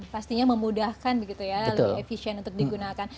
pastinya memudahkan begitu ya lebih efisien untuk digunakan